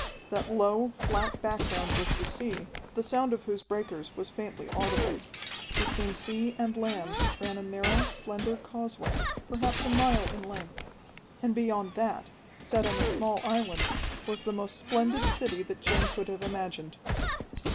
That low, flat background was the sea, the sound of whose breakers was faintly audible. Between sea and land ran a narrow, slender causeway, perhaps a mile in length. And beyond that, set on a small island, was the most splendid city that Jim could have imagined.